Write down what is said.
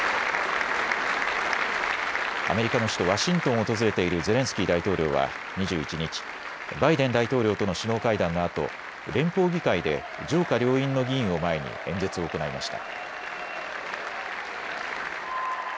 アメリカの首都ワシントンを訪れているゼレンスキー大統領は２１日、バイデン大統領との首脳会談のあと連邦議会で上下両院の議員を前に演説を行いました。